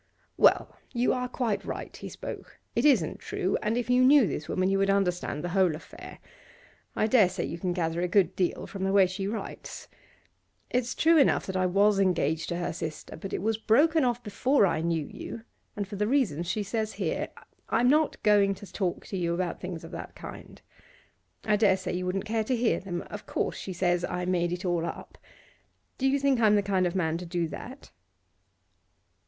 'Well, you are quite right,' he spoke. 'It isn't true, and if you knew this woman you would understand the whole affair. I dare say you can gather a good deal from the way she writes. It's true enough that I was engaged to her sister, but it was broken off before I knew you, and for the reasons she says here. I'm not going to talk to you about things of that kind; I dare say you wouldn't care to hear them. Of course she says I made it all up. Do you think I'm the kind of man to do that?